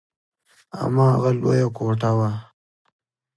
هماغه لويه کوټه وه.